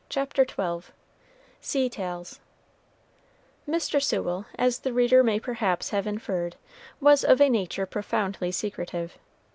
CHAPTER XII SEA TALES Mr. Sewell, as the reader may perhaps have inferred, was of a nature profoundly secretive.